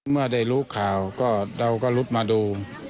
เมื่อได้รู้ข่าวก็เราก็รุดมาดู